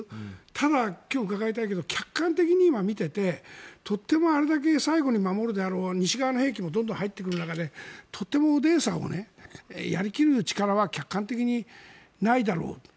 ただ、今日伺いたいけど客観的に見ててあれだけ最後に守るであろう西側の兵器もどんどん入ってくる中でとてもオデーサをやりきる力は客観的にないだろうと。